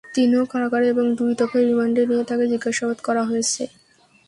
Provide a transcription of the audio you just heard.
তিনিও কারাগারে এবং দুই দফায় রিমান্ডে নিয়ে তাঁকে জিজ্ঞাসাবাদ করা হয়েছে।